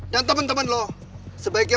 dan temen temen lo sebaiknya